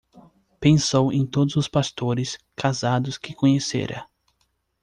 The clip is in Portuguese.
Pensou em todos os pastores casados que conhecera.